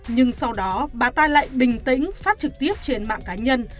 nhưng sau đó bà ta lại bình tĩnh phát trực tiếp trên mạng cá nhân